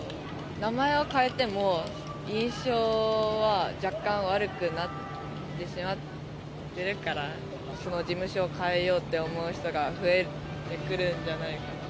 名前は変えても印象は若干悪くなってしまってるから、その事務所を変えようっていう人が増えてくるんじゃないかな。